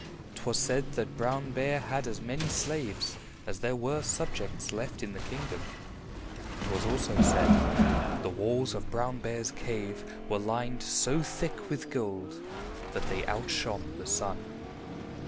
'Twas said that Brown Bear had as many slaves as there were subjects left in the kingdom. 'Twas also said, the walls of Brown Bear's cave were lined so thick with gold that they outshone the sun.